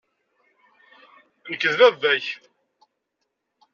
Nekk d baba-k.